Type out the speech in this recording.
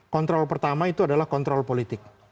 kontrol pertama itu adalah kontrol politik